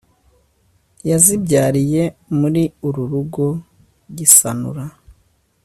yazibyariye muri uru rugo gisanura